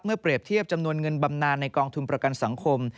เปรียบเทียบจำนวนเงินบำนานในกองทุนประกันสังคม